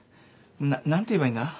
なっ何て言えばいいんだ？